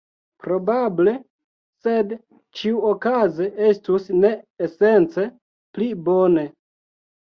Probable, sed ĉiuokaze estus ne esence pli bone.